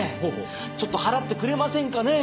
ちょっと払ってくれませんかね？